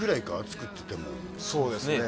作っててもそうですね